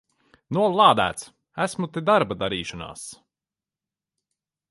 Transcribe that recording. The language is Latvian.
Nolādēts! Esmu te darba darīšanās!